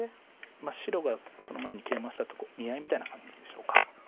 白がその前にケイマしたところ見合いみたいな感じでしょうか。